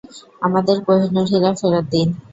আমাদের কোহিনূর হীরা ফেরত দিন!